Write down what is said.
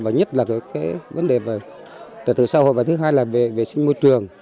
và nhất là vấn đề về trật tự xã hội và thứ hai là về vệ sinh môi trường